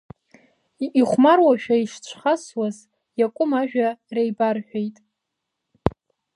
Ихәмаруашәа ишцәхасуаз, Иакәым ажәа реибарҳәеит…